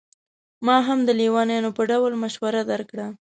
ما هم د لېونیانو په ډول مشوره درکړه.